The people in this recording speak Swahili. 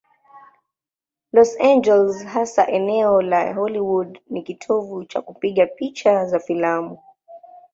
Los Angeles, hasa eneo la Hollywood, ni kitovu cha kupiga picha za filamu.